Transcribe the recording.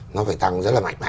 nó phải tăng rất là mạnh mẽ